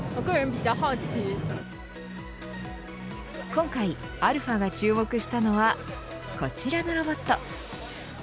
今回、αが注目したのはこちらのロボット。